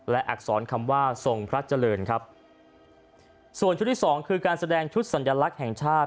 และอักษรคำว่าทรงพระเจริญครับส่วนชุดที่สองคือการแสดงชุดสัญลักษณ์แห่งชาติ